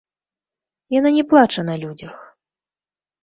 Яна не плача на людзях.